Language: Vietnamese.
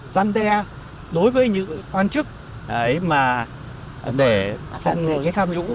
giăn đe đối với những quan chức để phòng chống tham nhũng